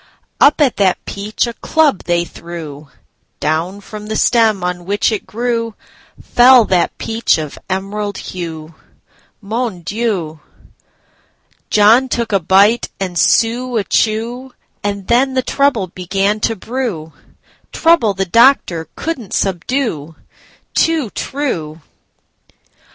Up at that peach a club they threw—Down from the stem on which it grewFell that peach of emerald hue. Mon Dieu! John took a bite and Sue a chew, And then the trouble began to brew,—Trouble the doctor could n't subdue. Too true!